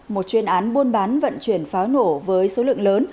một chuyên án buôn bán vận chuyển pháo nổ với số lượng lớn